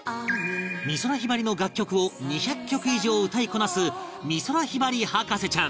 美空ひばりの楽曲を２００曲以上歌いこなす美空ひばり博士ちゃん